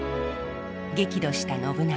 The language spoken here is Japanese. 激怒した信長。